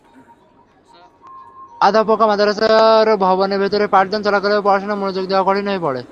আধাপাকা মাদ্রাসার ভবনের ভেতরে পাঠদান চলাকালেও পড়ায় মনোযোগ দেওয়া কঠিন হয়ে পড়ে।